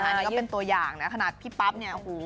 นี่ก็เป็นตัวอย่างนะขนาดพี่ปั๊บเนี่ย